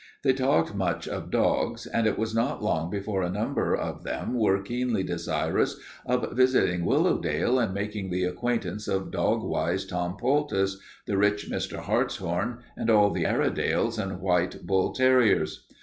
They talked much of dogs and it was not long before a number of them were keenly desirous of visiting Willowdale and making the acquaintance of dog wise Tom Poultice, the rich Mr. Hartshorn, and all the Airedales and white bull terriers.